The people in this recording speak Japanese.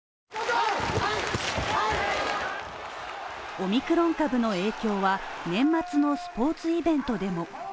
オミクロン株の影響は年末のスポーツイベントでも。